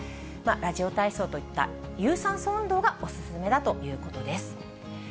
ラジオ体操といった有酸素運動がお勧めだということです。